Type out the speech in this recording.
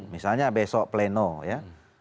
misalnya besok pleno ya